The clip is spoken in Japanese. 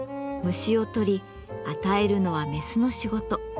虫を捕り与えるのはメスの仕事。